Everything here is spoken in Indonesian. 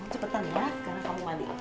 sekarang kamu mandi